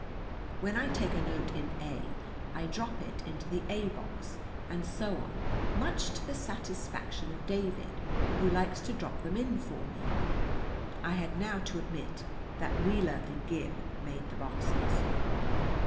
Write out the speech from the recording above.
When I take a note in A, I drop its into the A box, and so on, much to the satisfaction of David, who likes to drop them in for me. I had now to admit that Wheeler & Gibb made the boxes.